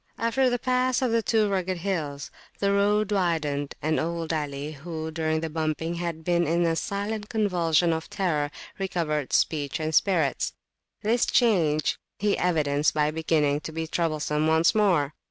After the pass of the Two Rugged Hills, the road widened, and old Ali, who, during the bumping, had been in a silent convulsion of terror, recovered speech and spirits. This change he evidenced by beginning to be troublesome once more.